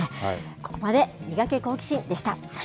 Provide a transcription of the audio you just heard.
ここまでミガケ、好奇心！でした。